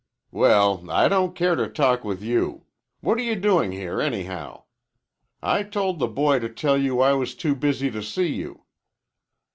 "Well, I don't care to talk with you. What are you doing here anyhow. I told the boy to tell you I was too busy to see you."